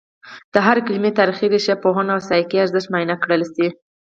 د هرې کلمې تاریخي، ریښه پوهني او سیاقي ارزښت معاینه کړل شي